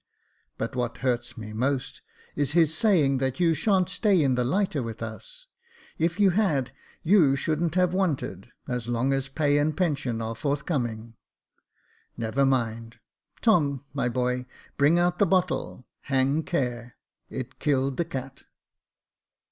But what hurts me most, is his saying that you sha'n't stay in the lighter with us ; if you had, you shouldn't have wanted, as long as pay and pension are forthcoming. Never mind — Tom, my boy, bring out the bottle — hang care : it killed the cat."